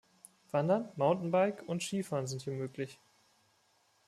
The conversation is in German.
Wandern, Mountain-Bike- und Skifahren sind hier möglich.